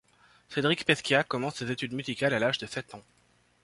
Cédric Pescia commence ses études musicales à l’âge de sept ans.